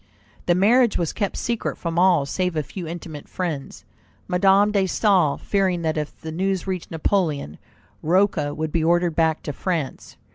The marriage was kept secret from all save a few intimate friends, Madame de Staël fearing that if the news reached Napoleon, Rocca would be ordered back to France.